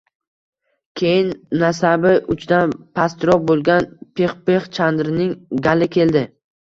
Keyin nasabi undan pastroq bo‘lgan Pixpix Chandrning gali keldi